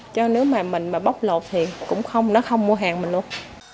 cho nếu mà mình bóc lột thì cũng không nó không mua hàng mình luôn